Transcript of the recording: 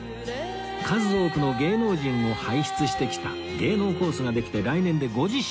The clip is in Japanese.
数多くの芸能人を輩出してきた芸能コースができて来年で５０周年